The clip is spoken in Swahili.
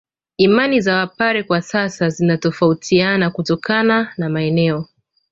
Imani za Wapare kwa sasa zinatofautiana kutokana na maeneo